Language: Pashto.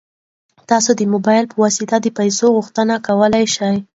تاسو د موبایل په واسطه د پيسو غوښتنه کولی شئ.